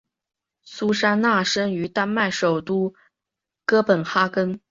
苏珊娜生于丹麦首都哥本哈根。